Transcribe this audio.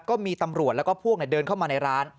ก็มีตำรวจแล้วก็พวกเดินเข้ามาในร้าน